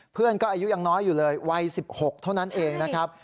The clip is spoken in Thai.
เพื่อนก็อายุยังน้อยอยู่เลยวัย๑๖เท่านั้นเองนะครับ